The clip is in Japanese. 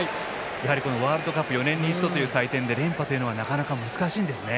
やはり、ワールドカップ４年に一度という祭典で連覇というのはなかなか難しいんですね。